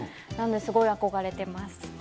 なんですごい憧れてます。